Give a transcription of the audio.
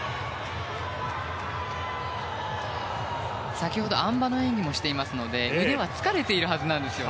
先ほどあん馬の演技もしていますので腕は疲れているはずなんです。